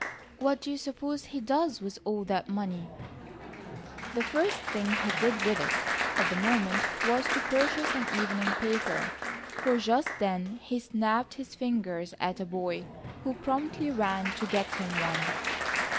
"What do you suppose he does with all that money?" The first thing he did with it, at the moment, was to purchase an evening paper, for just then he snapped his fingers at a boy, who promptly ran to get him one.